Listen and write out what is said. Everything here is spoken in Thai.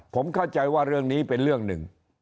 ผมเข้าใจว่าเรื่องนี้เป็นเรื่องหนึ่ง